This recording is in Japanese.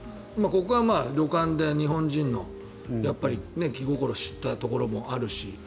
ここが旅館で日本人のやっぱり気心知れたところもあるし。